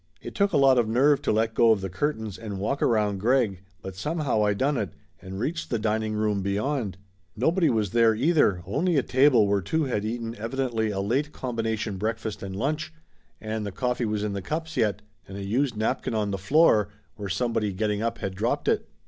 It took a lot of nerve to let go of the curtains and walk around Greg but somehow I done it, and reached the dining room beyond. Nobody was there, either, only a table where two had eaten evidently 300 Laughter Limited 301 a late combination breakfast and lunch, and the coffee was in the cups yet and a used napkin on the floor where somebody getting up had dropped it.